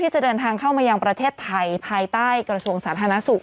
จะเดินทางเข้ามายังประเทศไทยภายใต้กระทรวงสาธารณสุข